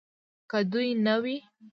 که دوی نه وي